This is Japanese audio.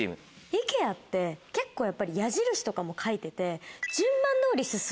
イケアって結構やっぱり矢印とかも書いてて。